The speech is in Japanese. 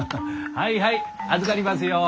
はいはい預かりますよ。